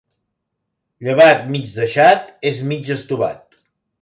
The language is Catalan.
Llevat mig deixat és mig estovat.